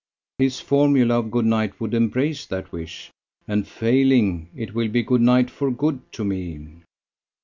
"His formula of good night would embrace that wish." "And failing, it will be good night for good to me!"